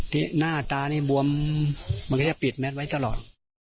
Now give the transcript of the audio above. หน้าตานี่บวมมันก็จะปิดแมทไว้ตลอด